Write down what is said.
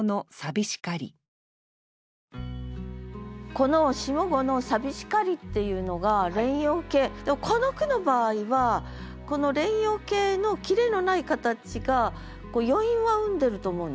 この下五の「さびしかり」っていうのが連用形でもこの句の場合はこの連用形の切れのない形が余韻は生んでると思うんだ。